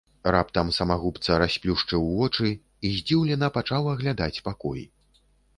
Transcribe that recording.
Раптам самагубца расплюшчыў вочы і здзіўлена пачаў аглядаць пакой.